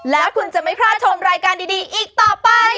แล้วคุณจะไม่พลาดชมรายการดีอีกต่อไป